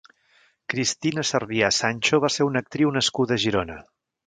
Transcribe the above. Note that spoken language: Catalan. Cristina Cervià Sancho va ser una actriu nascuda a Girona.